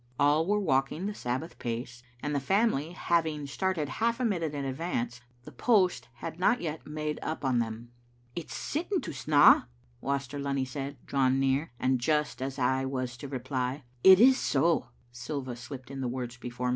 All were walking the Sabbath pace, and the family having started half a minute in advance, the post had not yet made up on them. "It's sitting to snaw," Waster Lunny said, drawing near, and just as I was to reply, " It is so/' Silva slipped in the words before me.